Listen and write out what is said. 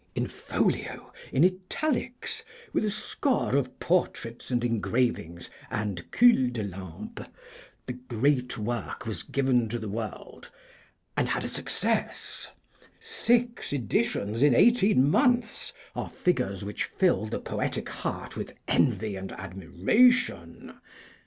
In folio, in italics, with a score of portraits and engravings, and culs de lampe, the great work was given to the world, and had a success. Six editions in eighteen months are figures which fill the poetic heart with envy and admiration.